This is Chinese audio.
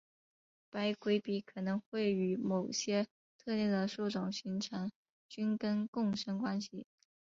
白鬼笔可能会与某些特定的树种形成菌根共生关系。